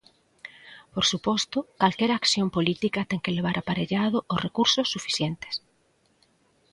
Por suposto, calquera acción política ten que levar aparellado os recursos suficientes.